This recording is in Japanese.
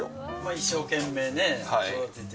一生懸命ね、育てて。